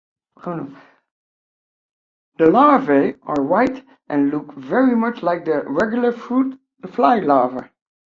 The larvae are white and look very much like the regular fruit fly larvae.